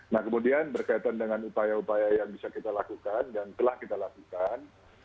nah kemudian berkaitan dengan upaya upaya yang bisa kita lakukan dan telah kita lakukan